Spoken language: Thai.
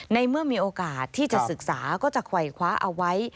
ในเมื่อมีโอกาสที่จะศึกษาก็จะไขวคว้าเอาไว้